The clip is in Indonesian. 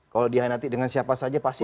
kalau dihianati dengan siapa saja pasti